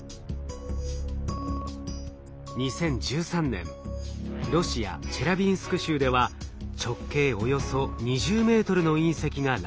２０１３年ロシア・チェリャビンスク州では直径およそ２０メートルの隕石が落下。